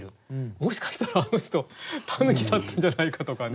もしかしたらあの人狸だったんじゃないかとかね。